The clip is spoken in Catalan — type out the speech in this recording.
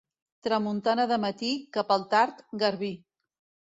Tramuntana de matí, cap al tard, garbí.